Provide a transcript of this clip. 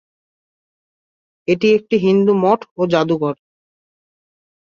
এটি একটি হিন্দু মঠ ও জাদুঘর।